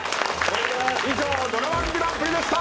以上ドラ−１グランプリでした。